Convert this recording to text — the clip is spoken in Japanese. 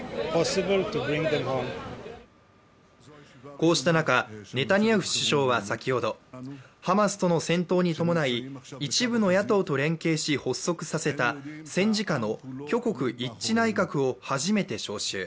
こうした中、ネタニヤフ首相は先ほどハマスとの戦闘に伴い一部の野党と連携し戦時下の挙国一致内閣を初めて召集。